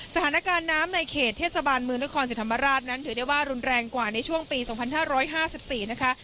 สถานการณ์น้ำในเขตเทศบาลมือนครสิทธรรมราชนั้นถือได้ว่ารุนแรงกว่าในช่วงปีสองพันห้าร้อยห้าสิบสี่นะคะ